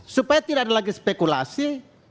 supaya tidak ada lagi spekulasi